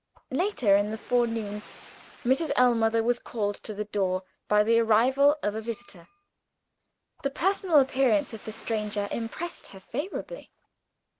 Later in the forenoon, Mrs. Ellmother was called to the door by the arrival of a visitor. The personal appearance of the stranger impressed her favorably.